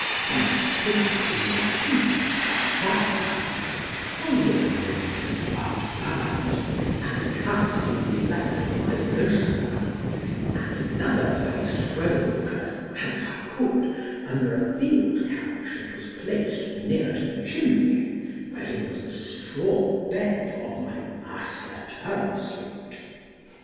Then took I up in my teeth a firebrand by the end where it was not burnt, and cast it into the lap of my roaster, and another did I throw as well as I could under a field couch that was placed near to the chimney, wherein was the straw bed of my master turnspit.